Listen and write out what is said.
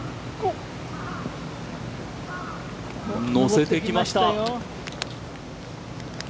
乗せてきました。